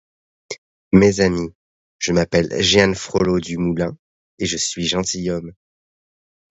Mes amis, je m'appelle Jehan Frollo du Moulin, et je suis gentilhomme.